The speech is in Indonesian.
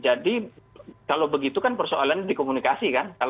jadi kalau begitu kan persoalannya dikomunikasi kan